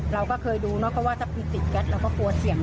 เราก็เคยดูนี่ถ้ามีติดแก๊สเราก็กลัวเสี่ยง